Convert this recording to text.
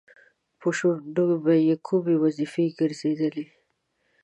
په شونډو به یې کومې وظیفې ګرځېدلې؟